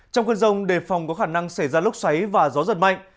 trong khuôn rông đề phòng có khả năng xảy ra lúc xoáy và gió giật mạnh